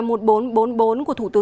của thủ tướng chính trị